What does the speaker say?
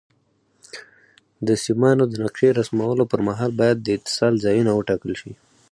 د سیمانو د نقشې رسمولو پر مهال باید د اتصال ځایونه وټاکل شي.